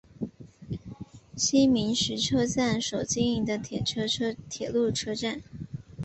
西明石车站所经营的铁路车站。